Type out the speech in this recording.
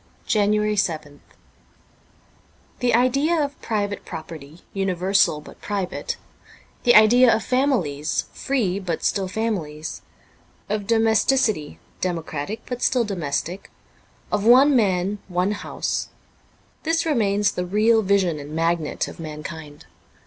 '' JANUARY 7th THE idea of private property universal but private, the idea of families free but still families, of domesticity democratic but still domestic, of one man one house — this remains the real vision and magnet of mankind.